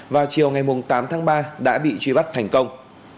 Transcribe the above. vào chiều ngày tám tháng ba đã bị truy bắt thành công